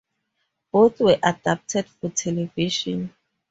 Both were adapted for television.